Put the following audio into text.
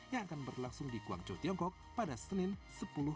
yang akan berlangsung di guangzhou tiongkok pada senin sepuluh desember mendatang